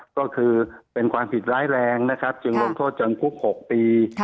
ก็คือเป็นความผิดร้ายแรงนะครับจึงลงโทษจำคุก๖ปี